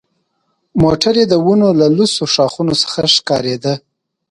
موټر یې د ونو له لوڅو ښاخونو څخه ښکارېده.